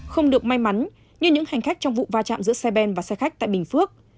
không được may mắn như những hành khách trong vụ va chạm giữa xe ben và xe khách tại bình phước